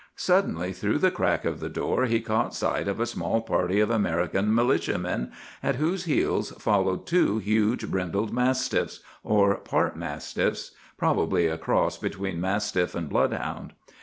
"Suddenly, through the crack of the door, he caught sight of a small party of American militiamen, at whose heels followed two huge brindled mastiffs, or part mastiffs, probably a cross between mastiff and bloodhound.